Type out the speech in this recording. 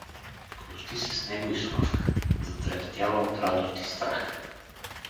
Прости се с него и Славка, затрептяла от радост и страх.